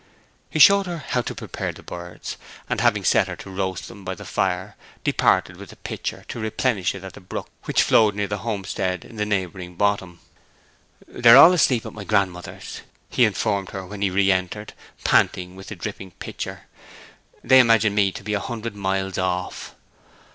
He showed her how to prepare the birds, and, having set her to roast them by the fire, departed with the pitcher, to replenish it at the brook which flowed near the homestead in the neighbouring Bottom. 'They are all asleep at my grandmother's,' he informed her when he re entered, panting, with the dripping pitcher. 'They imagine me to be a hundred miles off.'